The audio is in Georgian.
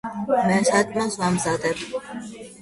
მე საჭმელს ვამმზადებ